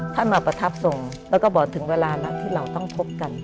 ท่านมาประทับทรงแล้วก็บอกถึงเวลานัดที่เราต้องพบกัน